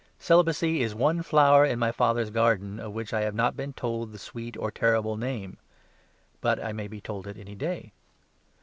Celibacy is one flower in my father's garden, of which I have not been told the sweet or terrible name. But I may be told it any day.